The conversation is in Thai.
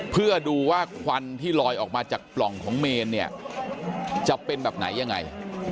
เพื่อดูว่าควันที่ลอยออกมาจากปล่องของเมนเนี่ยจะเป็นแบบไหนยังไง